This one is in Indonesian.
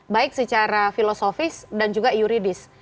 baik secara filosofis dan juga yuridis